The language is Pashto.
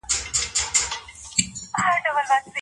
رسول الله پر خپلو ميرمنو څنګه شفقت درلود؟